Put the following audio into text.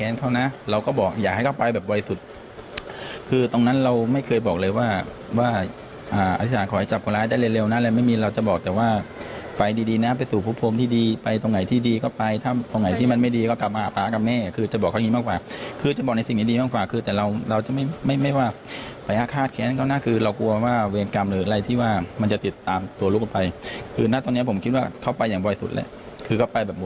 มองร้ายได้เร็วนั่นแหละไม่มีเราจะบอกแต่ว่าไปดีนะไปสู่ภูมิพรมที่ดีไปตรงไหนที่ดีก็ไปถ้าตรงไหนที่มันไม่ดีก็กลับมาอาบภาพกับแม่คือจะบอกแบบนี้มากกว่าคือจะบอกในสิ่งที่ดีมากกว่าคือแต่เราจะไม่ว่าไปอาฆาตแค่นั้นก็น่าคือเรากลัวว่าเวรกรรมหรืออะไรที่ว่ามันจะติดตามตัวลูกออกไปคื